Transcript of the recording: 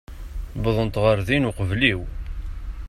Wwḍent ɣer din uqbel-iw.